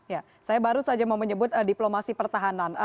ya saya baru saja mau menyebut diplomasi pertahanan